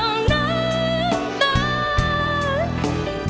ก็ยังทำไม่ได้